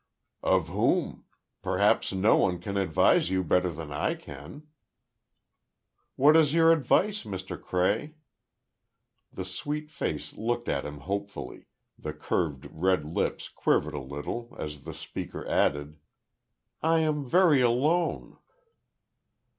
"Of whom? Perhaps no one can advise you better than I can." "What is your advice, Mr. Cray?" The sweet face looked at him hopefully, the curved red lips quivered a little as the speaker added, "I am very alone."